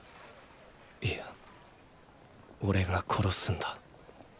いやオレが殺すんだ。